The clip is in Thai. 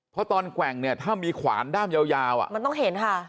เพราะตอนแกว่งเนี่ยถ้ามีขวานด้ามยาวมันต้องเห็นค่ะ